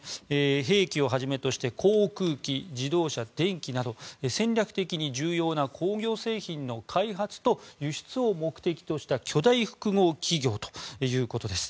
兵器をはじめとして航空機、自動車、電機など戦略的に重要な工業製品の開発と輸出を目的とした巨大複合企業ということです。